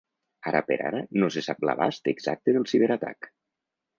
Ara per ara, no se sap l’abast exacte del ciberatac.